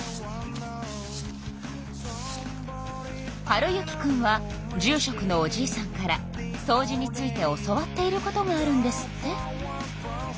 温之くんは住しょくのおじいさんからそうじについて教わっていることがあるんですって。